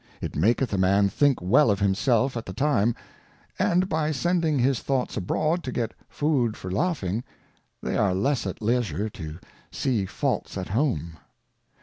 It niaketh a Man think well of himself at the time, and by sending his Thoughts abroad to get Food for Laughing, they are less at leisure to see Faults at home.